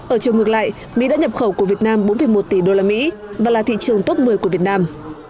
ở chiều ngược lại mỹ đã nhập khẩu của việt nam bốn một tỷ usd và là thị trường top một mươi của việt nam